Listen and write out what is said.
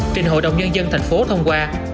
trình hội đồng nhân dân tp hcm thông qua